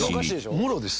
もろです。